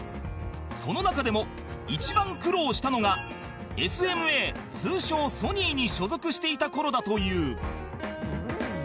その中でも一番苦労したのが ＳＭＡ 通称ソニーに所属していた頃だという